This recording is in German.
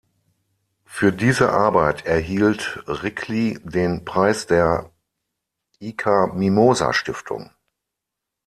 Für diese Arbeit erhielt Rikli den Preis der Ica-Mimosa-Stiftung.